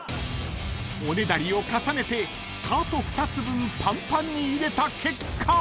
［おねだりを重ねてカート２つ分パンパンに入れた結果］